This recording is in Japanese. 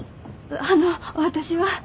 あの私は。